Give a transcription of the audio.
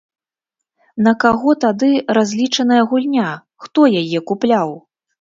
На каго тады разлічаная гульня, хто яе купляў?